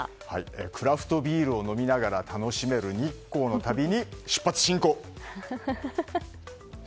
クラフトビールを飲みながら楽しめる日光の旅に出発進行！